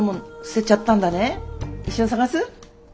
一緒に捜す？